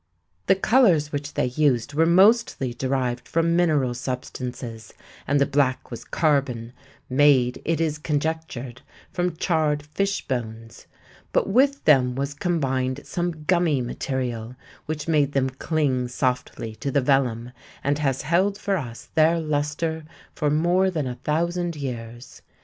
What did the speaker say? The colors which they used were mostly derived from mineral substances and the black was carbon, made, it is conjectured, from charred fish bones; but with them was combined some gummy material which made them cling softly to the vellum and has held for us their lustre for more than a thousand years.